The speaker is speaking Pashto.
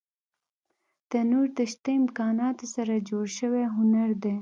تنور د شته امکاناتو سره جوړ شوی هنر دی